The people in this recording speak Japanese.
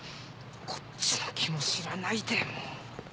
こっちの気も知らないで。